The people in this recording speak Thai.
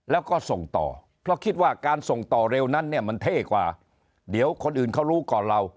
แล้วก็ส่งต่อเพราะคิดว่าการส่งต่อเร็วนั้นมันเท่กว่า